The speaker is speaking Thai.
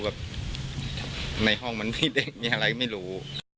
แบบในห้องมันมีเด็กมีอะไรไม่รู้